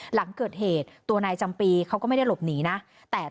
หลังเกิดเหตุตัวนายจำปีเขาก็ไม่ได้หลบหนีนะแต่